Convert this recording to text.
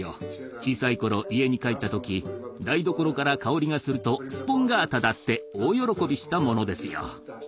小さいころ家に帰った時台所から香りがすると「スポンガータだ！」って大喜びしたものですよ。